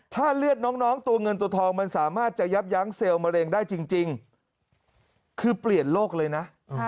ถ้าเลือดน้องตัวเงินตัวทองมันสามารถจะยับยั้งเซลล์มะเร็งได้จริงคือเปลี่ยนโลกเลยนะ